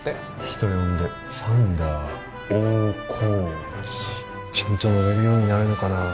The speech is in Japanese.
人呼んでサンダー大河内。ちゃんと乗れるようになるのかな。